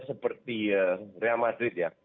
seperti real madrid ya